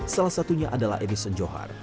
salah satunya adalah edison johar